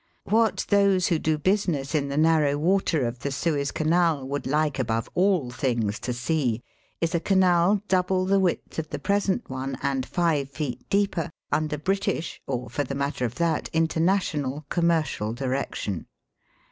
What those who do business in the narrow water of the Suez Canal would like above all things to see is a canal double the width of Digitized by VjOOQIC THBOUGH THE SUEZ CANAL. 361 the present one, and five feet deeper, under British, or, for the matter of that, inter national, commercial direction.